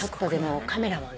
カメラもね